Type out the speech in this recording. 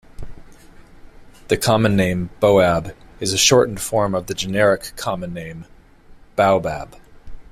The common name "boab" is a shortened form of the generic common name "baobab".